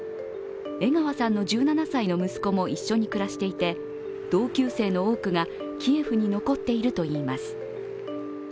江川さんの１７歳の息子も一緒に暮らしていて同級生の多くがキエフに残っているといいます。